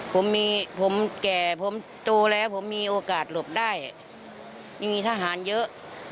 ผมมีผมแก่ผมโตแล้วผมมีโอกาสหลบได้ยังมีทหารเยอะ